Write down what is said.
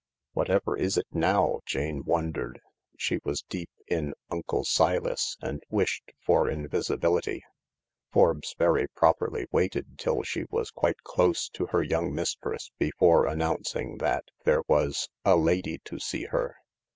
" Whatever is it now ?" Jane wondered. She was deep in "Uncle Silas " and wished for invisibility, Forbes very properly waited till she was quite close to her young mistress before announcing that there was "a lady to see her."